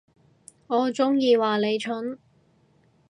我中意話你蠢